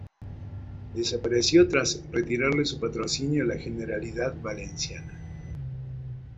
Desapareció tras retirarle su patrocinio la Generalidad Valenciana.